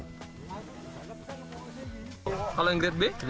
kalau yang grade b